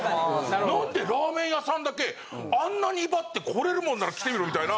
なんでラーメン屋さんだけあんなに威張って来れるもんなら来てみろみたいな。